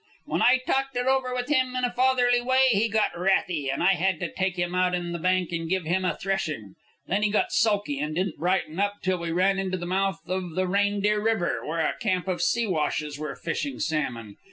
When I talked it over with him in a fatherly way he got wrathy, and I had to take him out on the bank and give him a threshing. Then he got sulky, and didn't brighten up till we ran into the mouth of the Reindeer River, where a camp of Siwashes were fishing salmon.